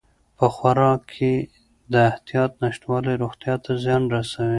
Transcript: په خوراک کې د احتیاط نشتوالی روغتیا ته زیان رسوي.